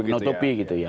menutupi gitu ya